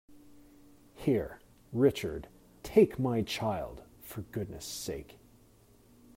Here, Richard, take my child, for goodness' sake.